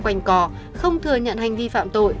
quanh cò không thừa nhận hành vi phạm tội